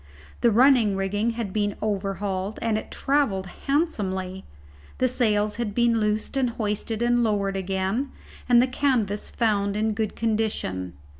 The running rigging had been overhauled, and it travelled handsomely. The sails had been loosed and hoisted and lowered again, and the canvas found in good condition.